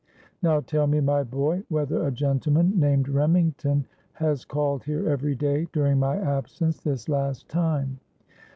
Now, tell me, my boy, whether a gentleman named Remington has called here every day during my absence this last time?'